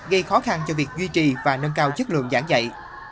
gây khó khăn cho việc duy trì và nâng cao chất lượng giảng dạy